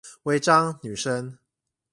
違章女生